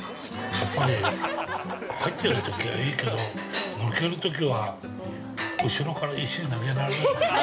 ◆やっぱり、入ってるときはいいけど抜けるときは後ろから石投げられない？